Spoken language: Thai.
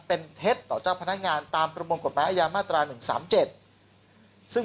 เป็นเท็จต่อเจ้าพนักงานตามประมวลกฎหมายอาญามาตรา๑๓๗ซึ่ง